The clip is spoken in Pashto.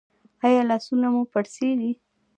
ایا لاسونه مو پړسیږي؟